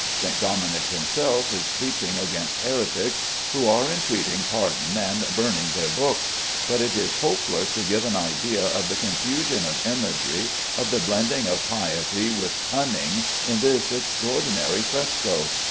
St. Dominic himself is preaching against heretics, who are entreating pardon and burning their books; but it is hopeless to give an idea of the confusion of imagery, of the blending of piety with punning in this extraordinary fresco.